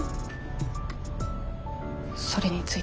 それについては。